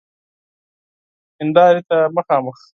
هیندارې ته مخامخ